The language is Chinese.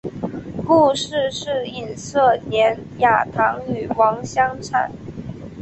故事是隐射连雅堂与王香禅。